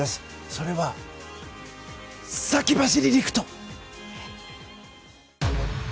それは、先走り陸斗！